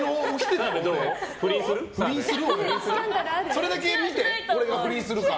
それだけ見て、俺は不倫するか。